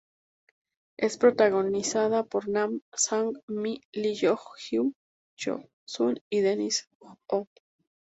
Es protagonizada por Nam Sang Mi, Lee Joo Hyun, Yoo Sun y Dennis Oh.